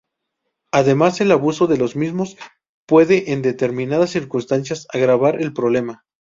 Además el abuso de los mismos puede en determinadas circunstancias agravar el problema.